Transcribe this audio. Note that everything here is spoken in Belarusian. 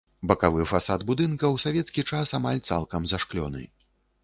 Бакавы фасад будынка ў савецкі час амаль цалкам зашклёны.